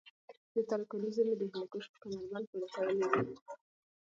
زیاتره کاني زېرمي د هندوکش په کمربند پورې تړلې دی